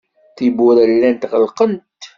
Tiwwura llant ɣelqent.